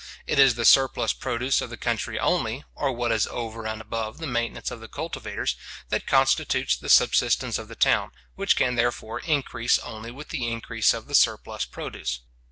It is the surplus produce of the country only, or what is over and above the maintenance of the cultivators, that constitutes the subsistence of the town, which can therefore increase only with the increase of the surplus produce.